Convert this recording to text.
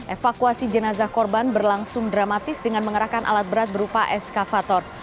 evakuasi jenazah korban berlangsung dramatis dengan mengerahkan alat berat berupa eskavator